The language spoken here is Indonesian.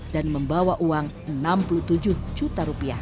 dan membawa uang enam puluh tujuh juta rupiah